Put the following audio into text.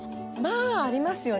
まぁありますよね